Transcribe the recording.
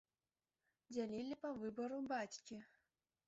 Дзялілі па выбару бацькі.